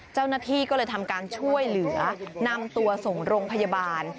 เจ้าหน้าที่ก็เลยทำการช่วยเหลือนำตัวส่งโรงพยาบาล